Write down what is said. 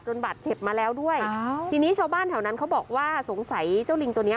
บาดเจ็บมาแล้วด้วยทีนี้ชาวบ้านแถวนั้นเขาบอกว่าสงสัยเจ้าลิงตัวเนี้ย